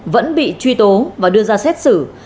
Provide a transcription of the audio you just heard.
vẫn bị truy tố và đưa ra xét xử